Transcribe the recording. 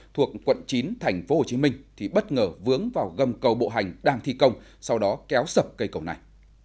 thuộc quận chín tp hcm thì bất ngờ vướng vào gầm cầu bộ hành đang thi công sau đó kéo sập cây cầu này